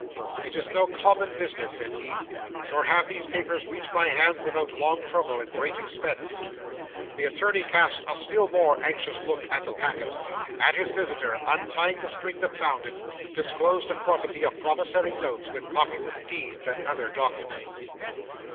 '"It is no common business," said he; "nor have these papers reached my hands without long trouble and great expense." 'The attorney cast a still more anxious look at the packet; and his visitor, untying the string that bound it, disclosed a quantity of promissory notes, with copies of deeds, and other documents.